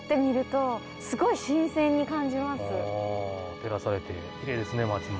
照らされてきれいですね町も。